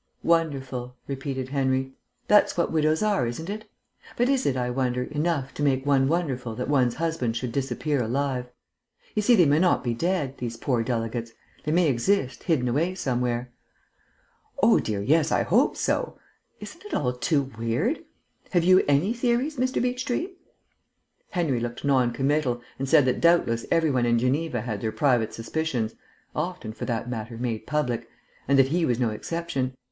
"Wonderful," repeated Henry. "That's what widows are, isn't it? But is it, I wonder, enough to make one wonderful that one's husband should disappear alive? You see, they may not be dead, these poor delegates; they may exist, hidden away somewhere." "Oh, dear, yes, I hope so. Isn't it all too weird? Have you any theories, Mr. Beechtree?" Henry looked non committal and said that doubtless every one in Geneva had their private suspicions (often, for that matter, made public), and that he was no exception.